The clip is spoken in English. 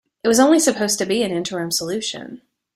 It was only supposed to be an interim solution.